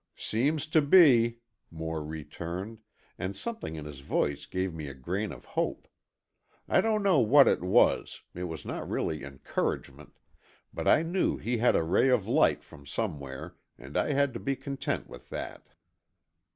"Seems to be," Moore returned, and something in his voice gave me a grain of hope. I don't know what it was, it was not really encouragement, but I knew he had a ray of light from somewhere, and I had to be content with that.